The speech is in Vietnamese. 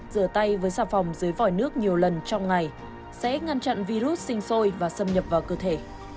rửa tay với sạp phòng dưới vỏi nước nhiều lần trong ngày sẽ ngăn chặn virus sinh sôi và xâm nhập vào